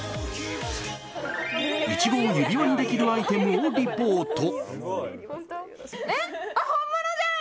イチゴを指輪にできるアイテムをリポート。